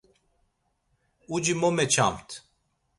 Uci mo meçamt.